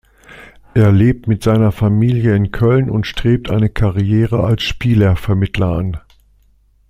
Er lebt mit seiner Familie in Köln und strebt eine Karriere als Spielervermittler an.